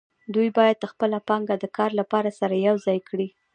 دوی باید خپله پانګه د کار لپاره سره یوځای کړي